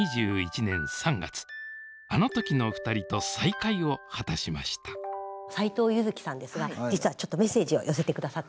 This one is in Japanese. あの時の２人と再会を果たしました斎藤結月さんですが実はちょっとメッセージを寄せて下さっています。